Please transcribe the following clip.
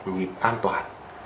nhịp an toàn